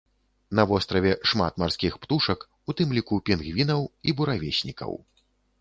На востраве шмат марскіх птушак, у тым ліку пінгвінаў і буравеснікаў.